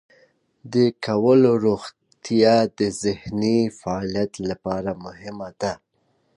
د کولمو روغتیا د ذهني فعالیت لپاره مهمه ده.